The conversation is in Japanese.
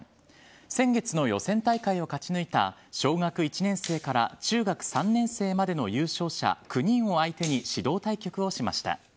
先月の予選大会を勝ち抜いた小学１年生から中学３年生までの優勝者９人を相手に指導対局をしました。